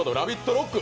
ロック」